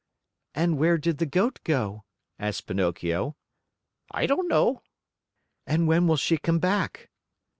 "And where did the Goat go?" asked Pinocchio. "I don't know." "And when will she come back?"